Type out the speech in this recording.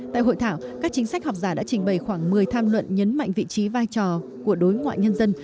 tại hội thảo các chính sách học giả đã trình bày khoảng một mươi tham luận nhấn mạnh vị trí vai trò của đối ngoại nhân dân